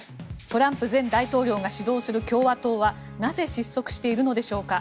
トランプ前大統領が主導する共和党はなぜ失速しているのでしょうか。